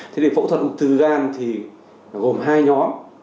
thế thì phẫu thuật ung thư gan thì gồm hai nhóm